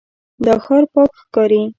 دا ښار پاک ښکاري.